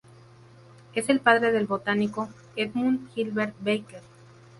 Es el padre del botánico Edmund Gilbert Baker.